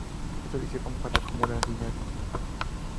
Esto lo hicieron para acumular dinero.